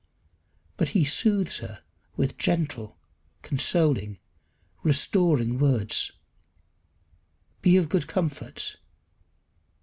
But he soothes her with gentle, consoling, restoring words: "Be of good comfort."